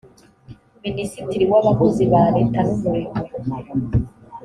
minisitiri w abakozi ba leta n umurimo